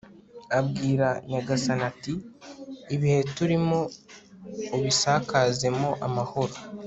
abwira nyagasani ati ibihe turimo ubisakazemo amahoro